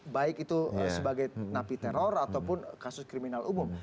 baik itu sebagai napi teror ataupun kasus kriminal umum